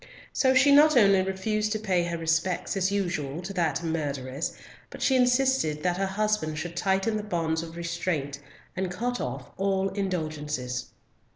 So she not only refused to pay her respects as usual to "that murtheress," but she insisted that her husband should tighten the bonds of restraint, and cut off all indulgences.